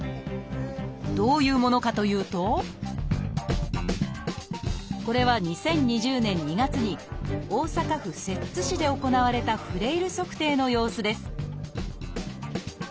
どういうものかというとこれは２０２０年２月に大阪府摂津市で行われたフレイル測定の様子です